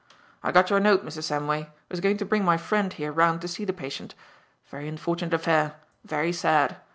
"I got your note, Mrs. Samway. Was going to bring my friend, here, round to see the patient. Very unfortunate affair. Very sad.